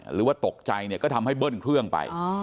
หรือว่าตกใจเนี่ยก็ทำให้เบิ้ลเครื่องไป